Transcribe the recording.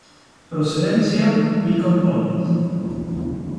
Procedencia: Beacon Point.